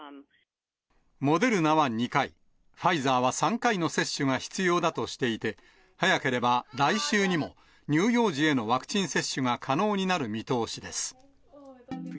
モデルナは２回、ファイザーは３回の接種が必要だとしていて、早ければ来週にも、乳幼児へのワクチン接種が可能になる見通しです。